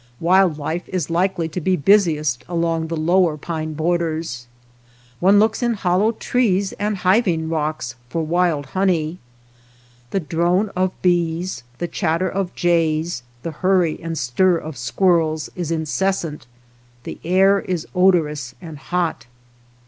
Wild life is likely to be busiest about the lower pine borders. One looks in hollow trees and hiving rocks for wild honey. The drone of bees, the chatter of jays, the hurry and stir of squirrels, is in i88 THE STREETS OF THE MOUNTAINS cessant ; the air is odorous and hot.